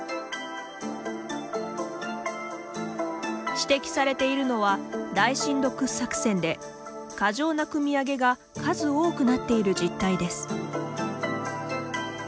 指摘されているのは大深度掘削泉で過剰なくみ上げが数多くなっている実態です。